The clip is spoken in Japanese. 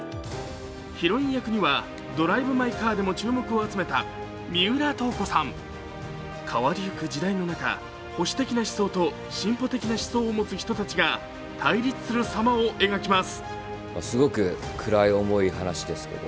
ヒロイン役には、「ドライブ・マイ・カー」でも注目を集めた三浦透子さん。変わりゆく時代の中、保守的な思想と進歩的な思想を持つ人たちが対立する様を描きます。